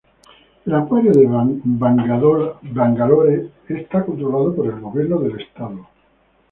El acuario de Bangalore es controlado por el Gobierno del Estado.